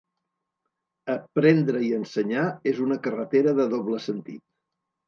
Aprendre i ensenyar és una carretera de doble sentit.